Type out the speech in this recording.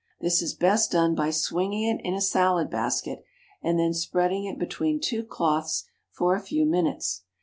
This is best done by swinging it in a salad basket, and then spreading it between two cloths for a few minutes.